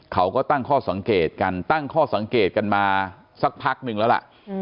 เขาก็ตั้งข้อสังเกตกันตั้งข้อสังเกตกันมาสักพักนึงแล้วล่ะ